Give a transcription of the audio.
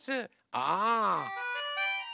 ああ。